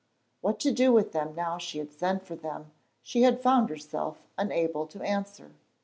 What to do with them now she had sent for them she had found herself unable to answer.